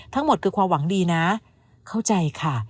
แต่ความหวังดีนะเข้าใจค่ะ